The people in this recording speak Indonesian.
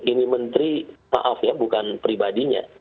ini menteri maaf ya bukan pribadinya